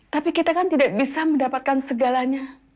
tapi kita kan tidak bisa mendapatkan segalanya